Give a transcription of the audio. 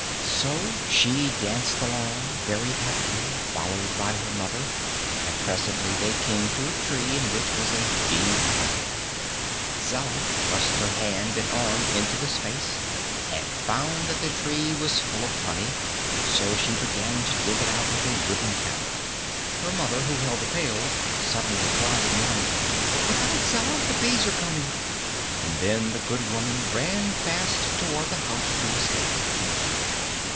So she danced along, very happily, followed by her mother, and presently they came to a tree in which was a deep hollow. Zella thrust her hand and arm into the space and found that the tree was full of honey, so she began to dig it out with a wooden paddle. Her mother, who held the pail, suddenly cried in warning: "Look out, Zella; the bees are coming!" and then the good woman ran fast toward the house to escape.